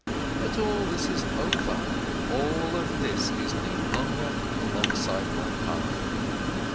But all this is over, all of this is no longer alongside my path."